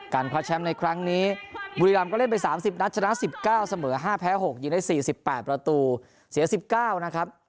คว้าแชมป์ในครั้งนี้บุรีรำก็เล่นไป๓๐นัดชนะ๑๙เสมอ๕แพ้๖ยิงได้๔๘ประตูเสีย๑๙นะครับ